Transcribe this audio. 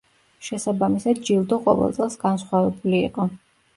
შესაბამისად ჯილდო ყოველ წელს განსხვავებული იყო.